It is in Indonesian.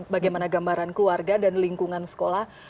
bagaimana gambaran keluarga dan lingkungan sekolah